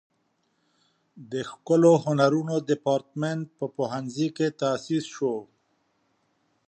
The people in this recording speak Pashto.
د ښکلو هنرونو دیپارتمنټ په پوهنځي کې تاسیس شو.